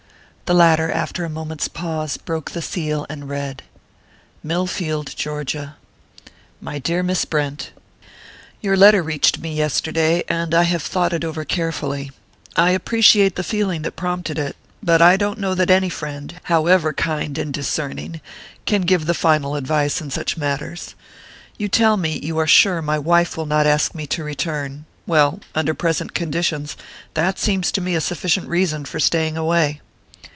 The latter, after a moment's pause, broke the seal and read. "Millfield, Georgia. "My dear Miss Brent, "Your letter reached me yesterday and I have thought it over carefully. I appreciate the feeling that prompted it but I don't know that any friend, however kind and discerning, can give the final advice in such matters. You tell me you are sure my wife will not ask me to return well, under present conditions that seems to me a sufficient reason for staying away.